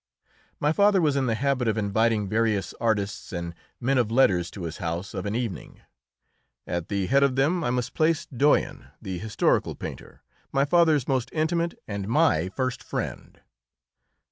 My father was in the habit of inviting various artists and men of letters to his house of an evening. At the head of them I must place Doyen, the historical painter, my father's most intimate and my first friend.